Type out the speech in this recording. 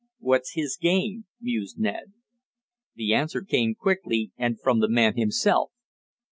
"What's his game?" mused Ned. The answer came quickly and from the man himself.